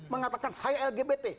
mengatakan saya lgbt